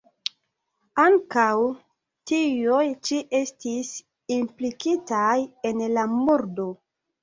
Ankaŭ tiuj ĉi estis implikitaj en la murdo.